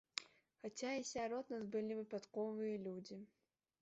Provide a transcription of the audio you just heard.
Хаця і сярод нас былі выпадковыя людзі.